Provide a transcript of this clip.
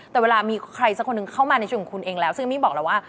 แต่เวลามีใครสักคนหนึ่งเข้ามาในชีวิตของคุณเองแล้วซึ่งเอมมี่บอกแล้วว่า